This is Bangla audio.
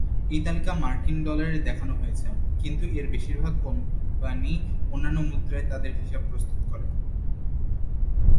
এই তালিকা মার্কিন ডলারে দেখানো হয়েছে, কিন্তু এর বেশিরভাগ কোম্পানী অন্যান্য মুদ্রায় তাদের হিসাব প্রস্তুত করে।